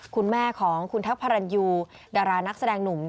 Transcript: คุณแม่ของคุณแท็กพระรันยูดารานักแสดงหนุ่ม